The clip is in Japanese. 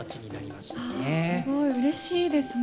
すごいうれしいですね。